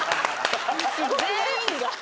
全員が？